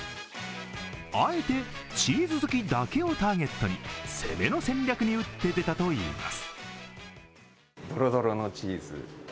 あえてチーズ好きだけをターゲットに攻めの戦略に打って出たといいます。